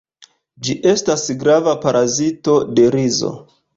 Ĝi estas grava parazito de rizo.